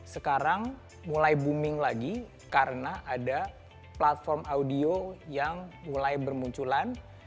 sekarang mulai booming lagi karena ada platform audio yang mulai bermunculan